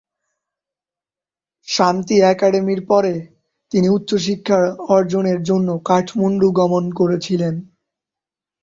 শান্তি একাডেমির পরে তিনি উচ্চশিক্ষা অর্জনের জন্য কাঠমান্ডু গমন করেছিলেন।